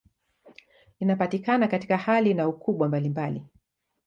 Inapatikana katika hali na ukubwa mbalimbali.